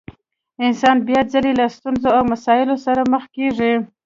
انسان بيا ځلې له ستونزو او مسايلو سره مخ کېږي.